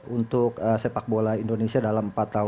untuk sepak bola indonesia dalam perkembangan ini